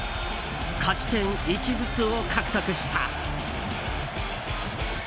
勝ち点１ずつを獲得した。